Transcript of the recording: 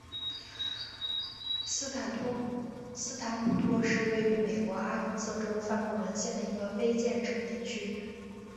斯坦普托是位于美国阿肯色州范布伦县的一个非建制地区。